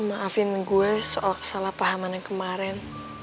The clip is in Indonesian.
maafin gue soal kesalahpahamannya kemarin